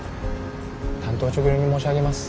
単刀直入に申し上げます。